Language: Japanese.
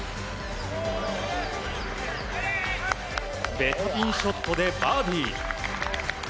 べたピンショットでバーディー。